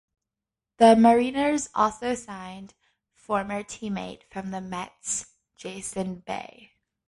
The Mariners also signed former teammate from the Mets Jason Bay.